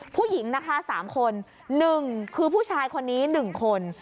ผู้หญิงนะคะสามคนหนึ่งคือผู้ชายคนนี้หนึ่งคน